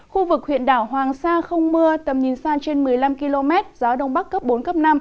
khu vực huyện đảo hoàng sa không mưa tầm nhìn xa trên một mươi năm km gió đông bắc cấp bốn cấp năm